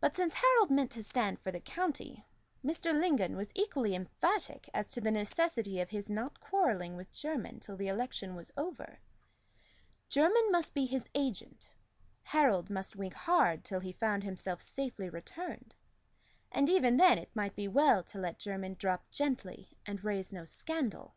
But since Harold meant to stand for the county, Mr. Lingon was equally emphatic as to the necessity of his not quarrelling with Jermyn till the election was over. Jermyn must be his agent; Harold must wink hard till he found himself safely returned; and even then it might be well to let Jermyn drop gently and raise no scandal.